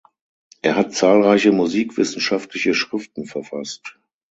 Er hat zahlreiche musikwissenschaftliche Schriften verfasst.